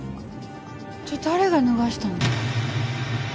じゃあ誰が脱がせたの？